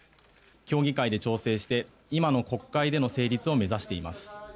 協議会で調整して今の国会での成立を目指しています。